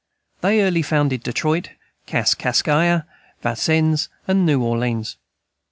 They early founded Detroit, Kaskaskia, Vincennes, and New Orleans.